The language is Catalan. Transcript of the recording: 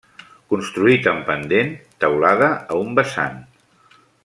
Construït en pendent, teulada a un vessant.